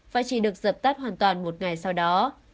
và chỉ được dập tắt hoàn toàn một ngày sau đó